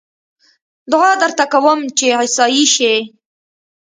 دعا درته کووم چې عيسائي شې